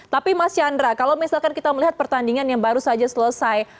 tapi mas chandra kalau misalkan kita melihat pertandingan yang baru saja selesai